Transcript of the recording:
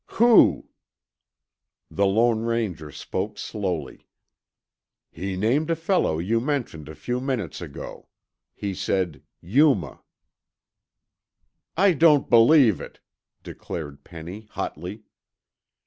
"Who?" The Lone Ranger spoke slowly. "He named a fellow you mentioned a few minutes ago. He said, 'Yuma.'" "I don't believe it!" declared Penny hotly.